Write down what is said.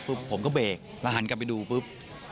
ผมก็เบรกแล้วหันกลับไปดูปุ๊บ